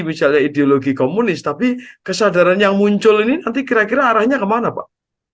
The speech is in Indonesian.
misalnya ideologi komunis tapi kesadaran yang muncul ini nanti kira kira arahnya kemana pak